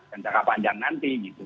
jangka panjang nanti gitu